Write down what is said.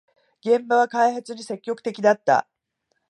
現場は開発に積極的だった